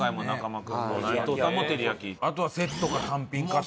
あとはセットか単品か。